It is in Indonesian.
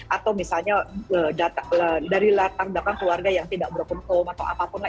atau misalnya dari latar belakang keluarga yang tidak broken home atau apapun lah